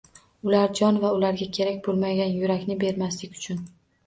Ular jon va ularga kerak bo'lmagan yurakni bermaslik uchun.